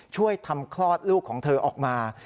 ช่วยทำคลอดลูกของเธอออกมา